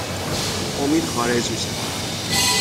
امید خارج می شود